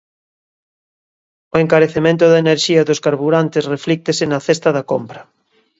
O encarecemento da enerxía e dos carburantes reflíctese na cesta da compra.